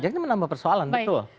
jangan jangan menambah persoalan gitu